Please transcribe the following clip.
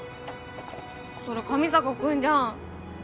それ上坂君じゃん。